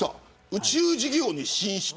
宇宙事業に進出。